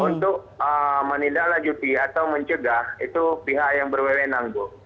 untuk menindak lajuti atau mencegah itu pihak yang berwewe nangguh